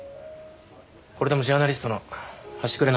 これでもジャーナリストの端くれなんですから。